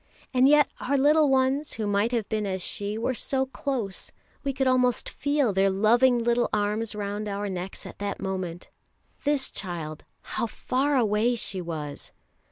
And yet our little ones who might have been as she, were so close we could almost feel their loving little arms round our necks at that moment this child, how far away she was!